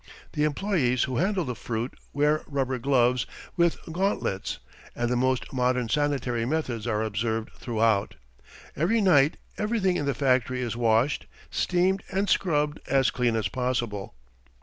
The employees who handle the fruit wear rubber gloves with gauntlets, and the most modern sanitary methods are observed throughout. Every night everything in the factory is washed, steamed and scrubbed as clean as possible.